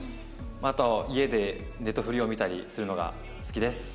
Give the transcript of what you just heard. あと家でネトフリを見たりするのが好きです。